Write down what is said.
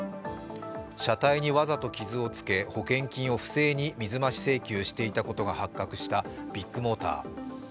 車体にわざと傷をつけ保険金を不正に水増し請求していたことが発覚したビッグモーター。